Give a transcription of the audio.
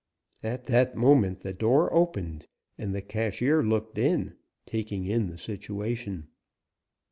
At that moment the door opened, and the cashier looked in, taking in the situation.